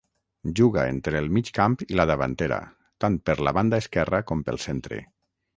Juga entre el migcamp i la davantera, tant per la banda esquerra com pel centre.